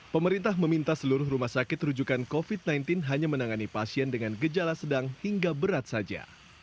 pemerintah meminta seluruh rumah sakit rujukan covid sembilan belas hanya menangani pasien dengan gejala sedang hingga berat saja